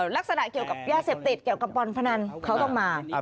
ลักษณะเกี่ยวกับยาเสพติดเกี่ยวกับบอลพนันเขาต้องมา